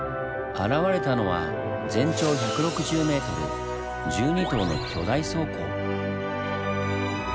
現れたのは全長１６０ｍ１２棟の巨大倉庫。